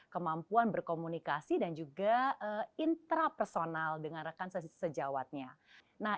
kemampuan berkomunikasi dan juga intrapersonal dengan rekan sejawatnya nah